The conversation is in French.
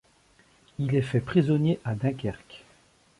Il est fait prisonnier à Dunkerque.